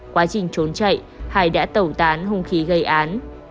quá trình trốn chạy hải đã tẩu tán hung khí gây án